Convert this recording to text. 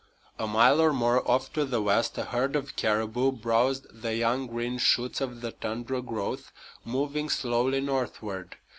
A mile or more off to the west a herd of caribou browsed the young green shoots of the tundra growth, moving slowly northward.